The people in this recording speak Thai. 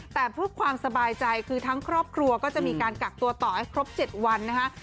แต่เพื่อความสบายใจคือทั้งครอบครัวก็จะมีการกักตัวต่อให้ครบ๗วันนะคะ